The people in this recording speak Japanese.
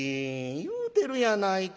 言うてるやないかいな。